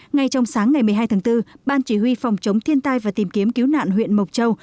ngay trong sáng ngày một mươi hai tháng bốn ban chỉ huy phòng chống thiên tai và tìm kiếm cứu nạn huyện mộc châu